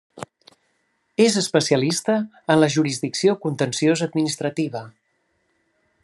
És especialista en la jurisdicció contenciós-administrativa.